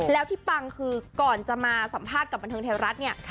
แล้วที่ปังคือก่อนจะมาสัมภาษณ์กับบันเทิงไทยรัฐเนี่ย